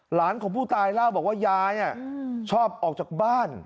หลานของผู้ตายเล่าบอกว่ายายชอบออกจากบ้าน